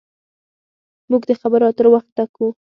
موږ د خبرو اترو وخت ټاکو.